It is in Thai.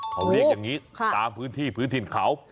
เขาเรียกอย่างนี้ตามพื้นที่พื้นถิ่นเขา